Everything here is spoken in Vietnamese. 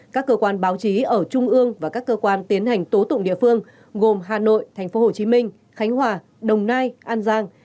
các cơ quan báo chí ở trung ương và các cơ quan tiến hành tố tụng địa phương gồm hà nội tp hcm khánh hòa đồng nai an giang